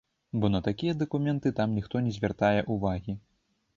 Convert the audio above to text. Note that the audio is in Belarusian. Бо на такія дакументы там ніхто не звяртае ўвагі.